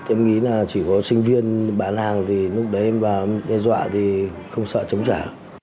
em nghĩ là chỉ có sinh viên bán hàng thì lúc đấy em và đe dọa thì không sợ chống trả